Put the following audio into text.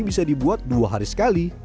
bisa dibuat dua hari sekali